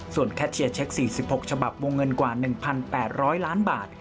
ส่วนแคทเชียร์เช็ค๔๖ฉบับวงเงินกว่า๑๘๐๐ล้านบาท